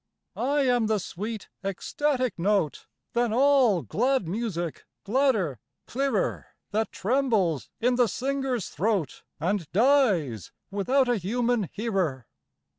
I am the sweet ecstatic note Than all glad music gladder, clearer, That trembles in the singer's throat, And dies without a human hearer.